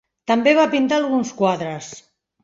També va pintar alguns quadres.